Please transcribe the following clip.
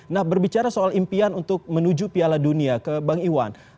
nah berbicara soal impian untuk menuju piala dunia ke bang iwan